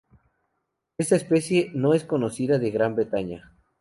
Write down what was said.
Esta especie no es conocida de Gran Bretaña.